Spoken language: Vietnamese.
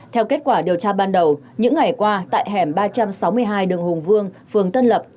theo kết quả điều tra ban đầu những ngày qua tại hẻm ba trăm sáu mươi hai đường hùng vương phường tân lập